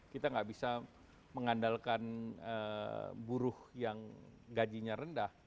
kita nggak bisa mengandalkan buruh yang gajinya rendah